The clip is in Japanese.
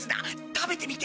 食べてみて。